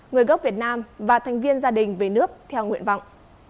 người gốc việt nam và thành viên gia đình về nước theo nguyện vọng